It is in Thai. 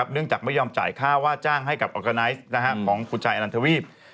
เนื่องจากไม่ยอมจ่ายค่าว่าจ้างให้กับออร์กาไนซ์ของคุณชายอนันทวีป